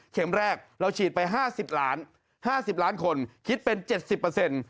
เข็มแรกเราฉีดไปห้าสิบล้านห้าสิบล้านคนคิดเป็นเจ็ดสิบเปอร์เซ็นต์